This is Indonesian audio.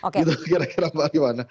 gitu kira kira pak arsul gimana